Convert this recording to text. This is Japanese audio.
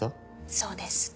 そうです。